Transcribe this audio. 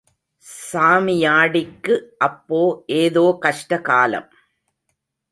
சாமியாடிக்கு அப்போ ஏதோ கஷ்டகாலம்.